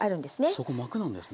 そこ膜なんですね。